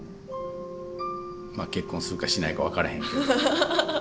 まあ結婚するかしないかわからへんけど。